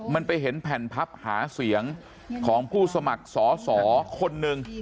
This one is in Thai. มันไปเห็นแผ่นพับหาเสียงของผู้สมัครสอสอคนหนึ่ง